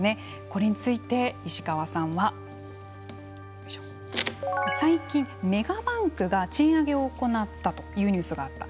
これについて、石川さんは最近メガバンクが賃上げを行ったというニュースがあった。